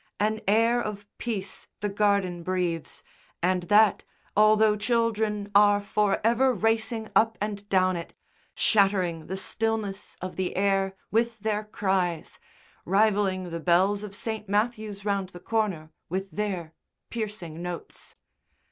An air of peace the garden breathes, and that although children are for ever racing up and down it, shattering the stillness of the air with their cries, rivalling the bells of St. Matthew's round the corner with their piercing notes.